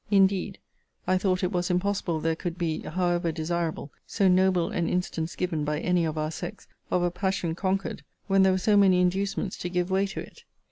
Indeed, I thought it was impossible there could be (however desirable) so noble an instance given by any of our sex, of a passion conquered, when there were so many inducements to give way to it.